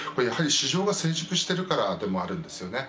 やはり市場が成熟しているからでもあるんです。